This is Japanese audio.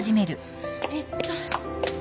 えっと。